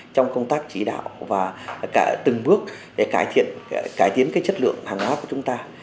trong công tác chỉ đạo và từng bước để cải thiện chất lượng hàng hóa của chúng ta